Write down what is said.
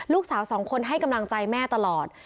ลูกสาวสองคนให้กำลังใจแม่ตลอด